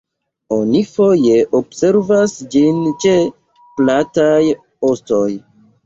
Oni foje observas ĝin ĉe plataj ostoj.